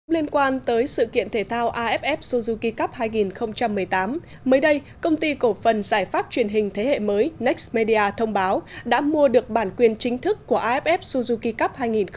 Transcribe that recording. liên quan tới sự kiện thể thao aff suzuki cup hai nghìn một mươi tám mới đây công ty cổ phần giải pháp truyền hình thế hệ mới nextmedia thông báo đã mua được bản quyền chính thức của aff suzuki cup hai nghìn một mươi tám